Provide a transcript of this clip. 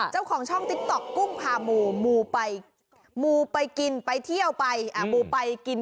เจ้าของช่องติ๊กต๊อกกู้งพาหมูหมูไปกินไปเที่ยวไป